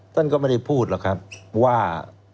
ท่านก็ไม่ได้พูดหรอกครับว่า